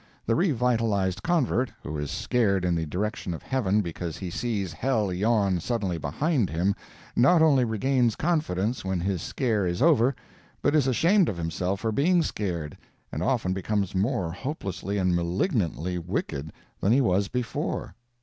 The revivalized convert who is scared in the direction of heaven because he sees hell yawn suddenly behind him, not only regains confidence when his scare is over, but is ashamed of himself for being scared, and often becomes more hopelessly and malignantly wicked than he was before.